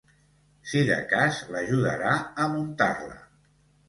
Si de cas, l’ajudarà a muntar-la.